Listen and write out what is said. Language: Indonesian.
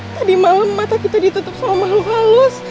tadi malam mata kita ditutup sama makhluk halus